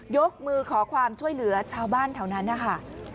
ยกมือขอความช่วยเหลือชาวบ้านแถวนั้นนะคะ